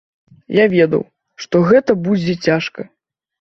Я ведаў, што гэта будзе цяжка.